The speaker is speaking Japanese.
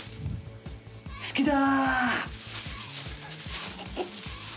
好きだ！